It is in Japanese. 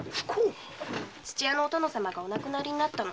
土屋のお殿様がお亡くなりになったの。